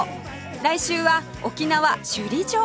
来週は沖縄首里城